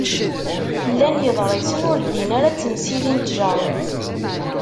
Llan yeḍrisen ur ddin ara d temsirin n tjerrumt.